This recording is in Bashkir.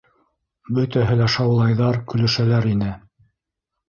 Бөтәһе лә шаулайҙар, көлөшәләр ине.